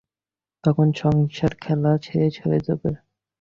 তখন সংসার-খেলা শেষ হয়ে যাবে।